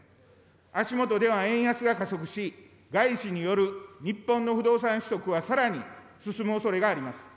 足元では円安が加速し、外資による日本の不動産取得はさらに進むおそれがあります。